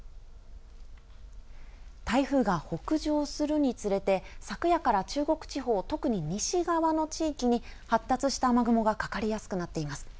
台風が北上するにつれて、昨夜から中国地方、特に西側の地域に発達した雨雲がかかりやすくなっています。